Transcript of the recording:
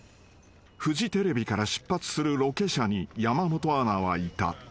［フジテレビから出発するロケ車に山本アナはいた］